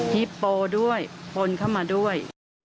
ฮิปโปด้วยคนเข้ามาด้วย